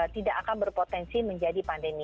tidak akan berpotensi untuk mengalami pandemi